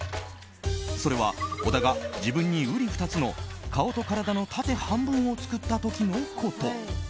それは小田が、自分にうり二つの顔と体の縦半分を作った時のこと。